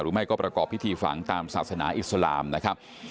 ตามวิธีฝังตามศาสนาอิสลามนะครับ